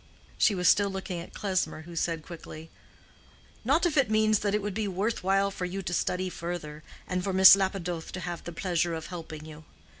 She was still looking at Klesmer, who said quickly, "Not if it means that it would be worth while for you to study further, and for Miss Lapidoth to have the pleasure of helping you."